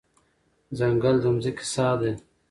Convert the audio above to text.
ځنګل د ځمکې ساه ده.